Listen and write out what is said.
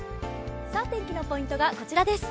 天気のポイントがこちらです。